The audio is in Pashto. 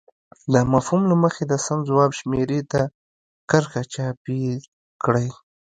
د مفهوم له مخې د سم ځواب شمیرې ته کرښه چاپېر کړئ.